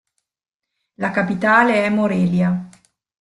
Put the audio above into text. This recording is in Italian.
La capitale è Morelia.